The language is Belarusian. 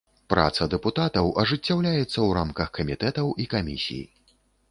Праца дэпутатаў ажыццяўляецца ў рамках камітэтаў і камісій.